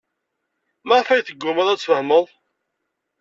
Maɣef ay teggumaḍ ad tfehmeḍ?